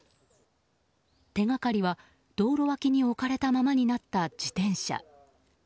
手がかりは、道路脇に置かれたままになった自転車。